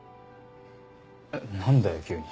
えっ何だよ急に。